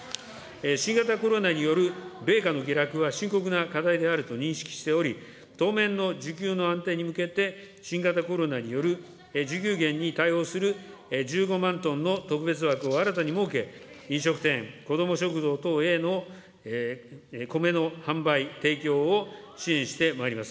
新型コロナによる米価の下落は深刻な課題であると認識しており、当面の需給の安定に向けて新型コロナによる需給減に対応する１５万トンの特別枠を新たに設け、飲食店、子ども食堂等へのコメの販売、提供を支援してまいります。